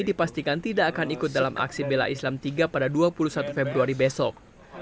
dipastikan tidak akan ikut dalam aksi bela islam tiga pada dua puluh satu februari besok